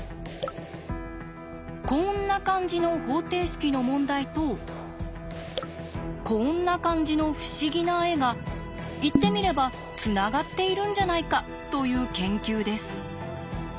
こんな感じの方程式の問題とこんな感じの不思議な絵が言ってみればつながっているんじゃないか？という研究です。